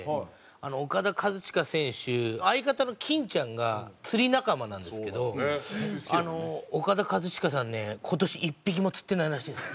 オカダ・カズチカ選手相方の金ちゃんが釣り仲間なんですけどオカダ・カズチカさんね今年１匹も釣ってないらしいんですよ。